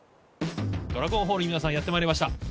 ドラコンホール皆さんやってまいりました。